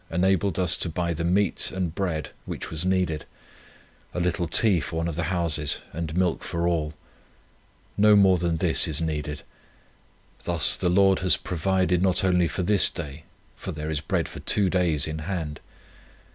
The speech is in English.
enabled us to buy the meat and bread, which was needed; a little tea for one of the houses, and milk for all; no more than this is needed. Thus the Lord has provided not only for this day; for there is bread for two days in hand.